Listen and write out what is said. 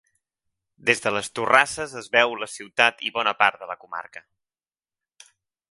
Des de les torrasses es veu la ciutat i bona part de la comarca.